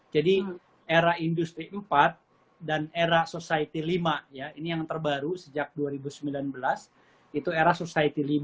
jadi era industri empat dan era society lima ya ini yang terbaru sejak dua ribu sembilan belas itu era society lima